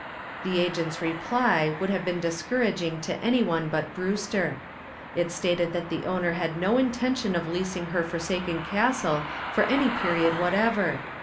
The agent's reply would have been discouraging to any one but Brewster. It stated that the owner had no intention of leasing her forsaken castle for any period whatever.